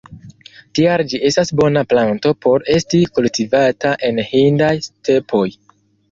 Tial ĝi estas bona planto por esti kultivata en hindaj stepoj.